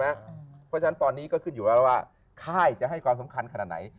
เพราะฉะนั้นตอนนี้ก็ขึ้นอยู่แล้วว่าค่ายจะให้ความสำคัญขนาดไหน